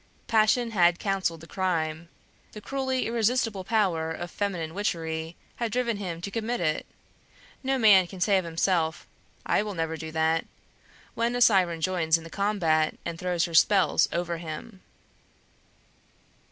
Passion had counseled the crime; the cruelly irresistible power of feminine witchery had driven him to commit it; no man can say of himself, "I will never do that," when a siren joins in the combat and throws her spells over him.